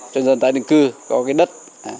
cho dân tái định cư có đất